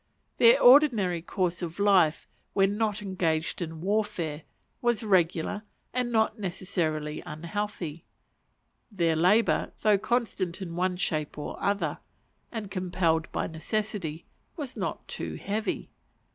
Their ordinary course of life, when not engaged in warfare, was regular, and not necessarily unhealthy; their labour, though constant in one shape or other, and compelled by necessity, was not too heavy.